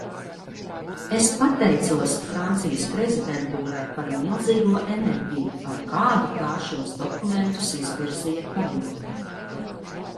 Es paticos Francijas prezidentūrai par milzīgo enerģiju, ar kādu tā šos dokumentus izvirzīja Padomē.